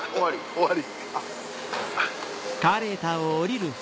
終わり。